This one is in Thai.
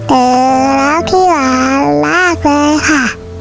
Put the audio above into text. เออแล้วพี่หวานรักเลยค่ะ